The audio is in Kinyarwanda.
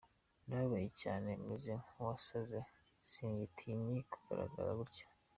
Ndababaye cyane meze nk’uwasaze singitinye kugaragara gutya.